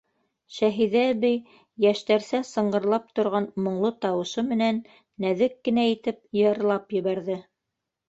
Шәһиҙә әбей йәштәрсә сыңғырлап торған моңло тауышы менән нәҙек кенә итеп йырлап ебәрҙе: